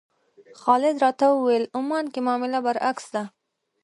خالد راته وویل عمان کې معامله برعکس ده.